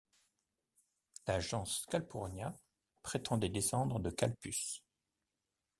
La gens Calpurnia prétendait descendre de Calpus.